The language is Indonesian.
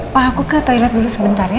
pak aku ke toilet dulu sebentar ya